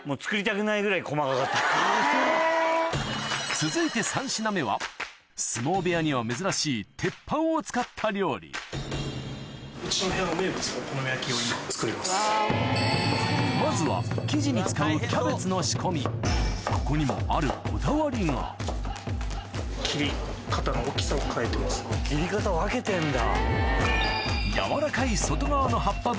続いて３品目は相撲部屋には珍しい鉄板を使った料理まずはここにもあるこだわりが切り方分けてんだ。